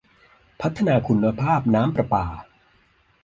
พัฒนาคุณภาพน้ำประปา